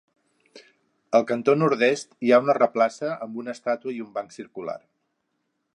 Al cantó nord-est, hi ha una replaça amb una estàtua i un banc circular.